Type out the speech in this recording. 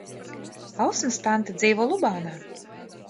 Ausmas tante dzīvo Lubānā.